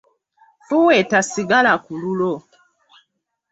Fuuweta sigala kululwo.